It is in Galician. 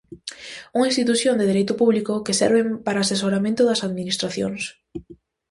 Unha institución de dereito público, que serve para asesoramento das administracións.